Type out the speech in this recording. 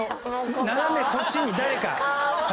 斜めこっちに誰か。